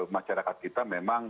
masyarakat kita memang